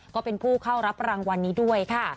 ก็เป็นผู้เข้ารับรางวัลนี้ด้วยค่ะ